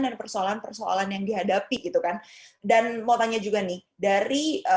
dan persoalan persoalan yang dihadapi gitu kan dan mau tanya juga nih dari